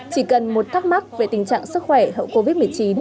chỉ cần một thắc mắc về tình trạng sức khỏe hậu covid một mươi chín